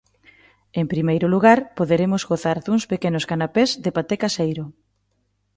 En primeiro lugar, poderemos gozar duns pequenos canapés de paté caseiro.